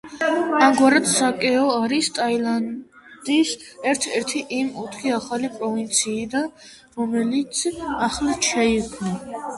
ამგვარად, საკეო არის ტაილანდის ერთ-ერთი იმ ოთხი ახალი პროვინციიდან, რომელიც ახლად შეიქმნა.